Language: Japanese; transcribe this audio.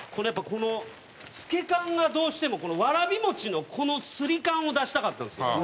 この透け感がどうしてもわらび餅のこのスリ感を出したかったんですよ。